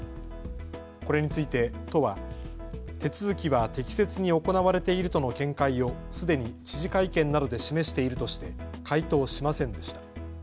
これについて都は手続きは適切に行われているとの見解をすでに知事会見などで示しているとして回答しませんでした。